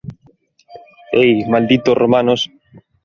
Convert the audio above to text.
Hei, malditos romanos!